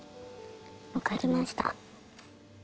分かりました。